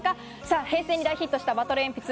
平成に大ヒットしたバトルえんぴつ。